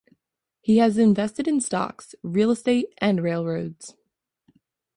He has invested in stocks, real estate and railroads.